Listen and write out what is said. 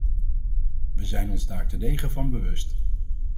We zijn ons daar terdege van bewust.